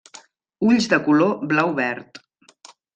Ulls de color blau-verd.